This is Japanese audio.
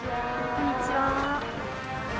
こんにちは。